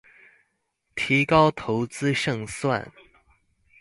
提高投資勝算